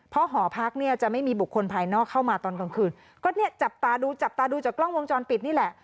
เพราะหอพักเนี่ยจะไม่มีบุคคลภายนอกเข้ามาตอนกลางคืนก็เนี่ยจับตาดูจับตาดูจากกล้องวงจรปิดนี่แหละ